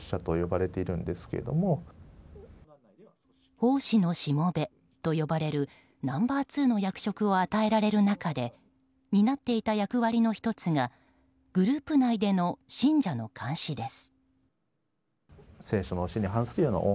奉仕の僕と呼ばれるナンバー２の役職を与えられる中で担っていた役割の１つがグループ内での信者の監視です。